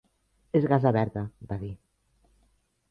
"És gasa verda", va dir.